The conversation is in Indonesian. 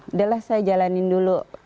udah lah saya jalanin dulu